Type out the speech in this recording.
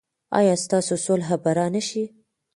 ایا ستاسو سوله به را نه شي؟